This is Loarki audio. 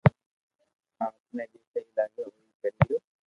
آم ني جي سھي لاگي او ڪري ليو